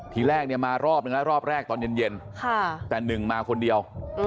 ทีแรกเนี่ยมารอบนึงแล้วรอบแรกตอนเย็นแต่หนึ่งมาคนเดียว